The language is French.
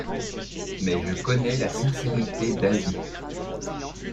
Mais je connais la sincérité d’Asie.